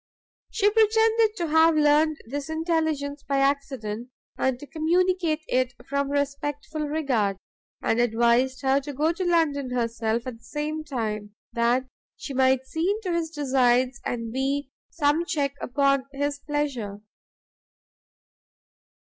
She pretended to have learned this intelligence by accident, and to communicate it from respectful regard; and advised her to go to London herself at the same time, that she might see into his designs, and be some check upon his pleasure.